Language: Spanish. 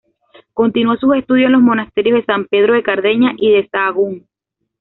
Continuó sus estudios en los monasterios de San Pedro de Cardeña y de Sahagún.